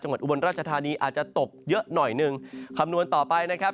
อุบลราชธานีอาจจะตกเยอะหน่อยหนึ่งคำนวณต่อไปนะครับ